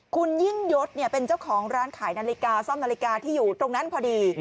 คุณยิ่งยศเป็นเจ้าของร้านขายนาฬิกาซ่อมนาฬิกาที่อยู่ตรงนั้นพอดี